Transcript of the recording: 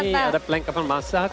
ini ada perlengkapan masak